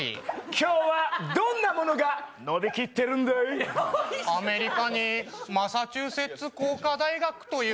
今日はどんなものが伸びきってるんだい。